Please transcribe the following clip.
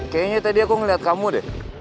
kayaknya tadi aku ngeliat kamu deh